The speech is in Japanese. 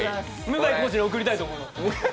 向井康二に送りたいと思います。